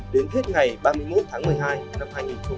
đến hết ngày ba mươi một tháng một mươi hai năm hai nghìn hai mươi